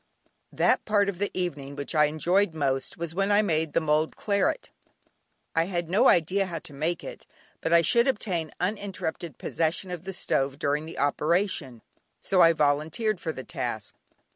That part of the evening which I enjoyed most was when I made the mulled claret. I had no idea how to make it, but I should obtain uninterrupted possession of the stove during the operation, so I volunteered for the task.